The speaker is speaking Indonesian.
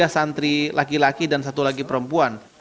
tiga santri laki laki dan satu lagi perempuan